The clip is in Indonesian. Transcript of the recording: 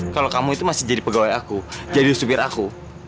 kalau kamu itu masih jadi pegawai aku jadi supir aku